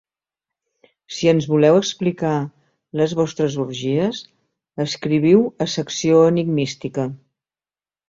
Si ens voleu explicar les vostres orgies, escriviu a Secció Enigmística.